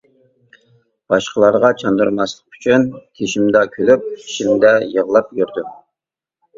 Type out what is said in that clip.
باشقىلارغا چاندۇرماسلىق ئۈچۈن، تېشىمدا كۈلۈپ، ئىچىمدە يىغلاپ يۈردۈم.